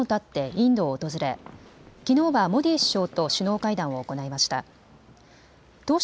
日本をたって、インドを訪れきのうはモディ首相と首脳会談を行いました。